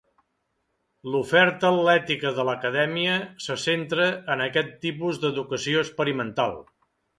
L'oferta atlètica de l'Acadèmia se centra en aquest tipus d'educació experimental.